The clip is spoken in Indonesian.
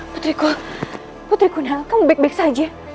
putriku putriku nak kamu baik baik saja